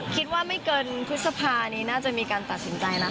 คิดว่าไม่เกินพฤษภานี้น่าจะมีการตัดสินใจแล้ว